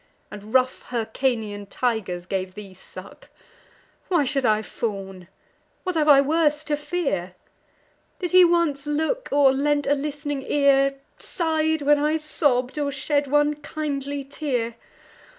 And rough Hyrcanian tigers gave thee suck! Why should I fawn? what have I worse to fear? Did he once look, or lent a list'ning ear, Sigh'd when I sobb'd, or shed one kindly tear?